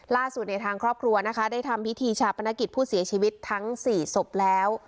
ล่าสุดในทางครอบครัวนะคะได้ทำพิธีชาปนกิจผู้เสียชีวิตทั้ง๔ศพแล้ว